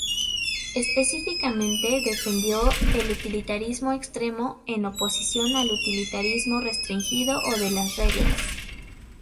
Específicamente, defendió el utilitarismo "extremo", en oposición al utilitarismo "restringido" o de las reglas.